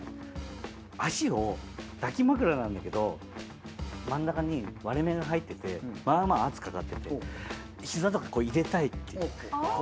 足を抱き枕なんだけど真ん中に割れ目が入っててまぁまぁ圧かかってて膝とかこう入れたいっていう。